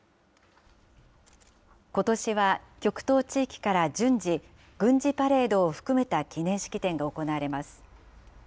ことしは極東地域から順次、軍事パレードを含めた記念式典が行われます。